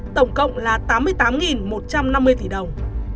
tổng cộng là tám mươi tám một trăm năm mươi tỷ đồng